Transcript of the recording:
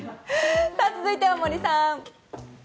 続いては森さん。